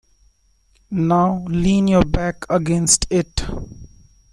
Now lean your back against it.